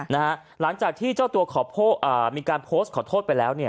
หลังจากที่เจ้าตัวมีการโพสต์ขอโทษไปแล้วเนี่ย